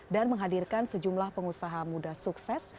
dan menghadirkan sejumlah pengusaha muda sukses